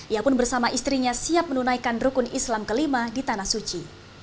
ia pun bersama istrinya siap menunaikan rukun islam kelima di tanah suci